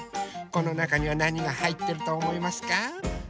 このなかにはなにがはいってるとおもいますか？